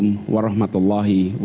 assalamualaikum warahmatullahi wabarakatuh